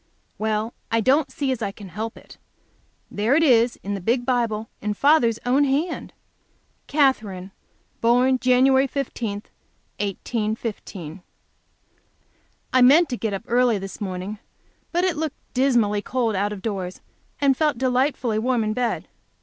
Well, I don't see as I can help it. There it is in the big Bible in father's own hand: "Katherine, born Jan. 15, 1815." I meant to get up early this morning, but it looked dismally cold out of doors, and felt delightfully warm in bed.